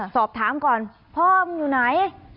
สอบถามก่อนพ่อมึงอยู่ไหน